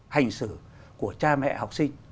hành xử của cha mẹ học sinh